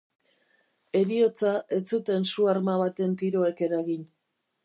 Heriotza ez zuten su-arma baten tiroek eragin.